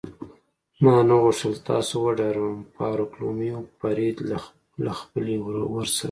ما نه غوښتل تاسې وډاروم، فاروقلومیو فرید له خپلې ورسره.